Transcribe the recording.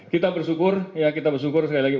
kita bersyukur ya kita bersyukur sekali lagi